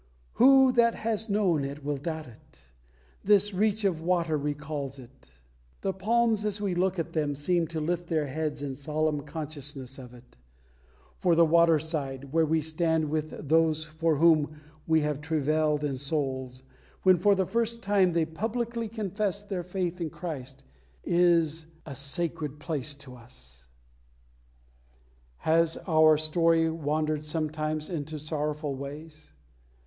Who that has known it will doubt it? This reach of water recalls it. The palms, as we look at them, seem to lift their heads in solemn consciousness of it. For the water side where we stand with those for whom we have travailed in soul, when for the first time they publicly confess their faith in Christ is a sacred place to us. [Illustration: THE PLACE OF BAPTISM.] Has our story wandered sometimes into sorrowful ways?